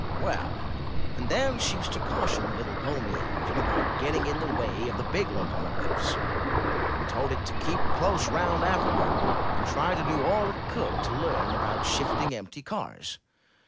Well, and then she used to caution the little Pony 344 UP ONE PAIR OF STAIRS Engine against getting in the way of the big locomo tives, and told it to keep close round after her, and try to do all it could to learn about shifting empty cars.